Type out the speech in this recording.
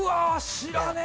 知らねえ！